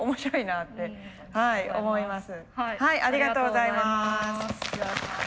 ありがとうございます。